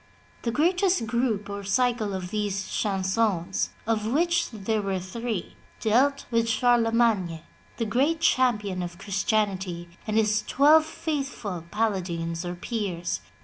The greatest group or cycle of these chansons, of which there were three, dealt with Charlemagne, the great champion of Christianity, and his twelve faithful paladins or peers.